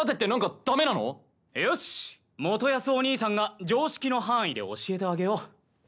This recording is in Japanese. よし元康お兄さんが常識の範囲で教えてあげよう。